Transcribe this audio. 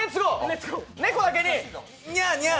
猫だけにニャーニャー。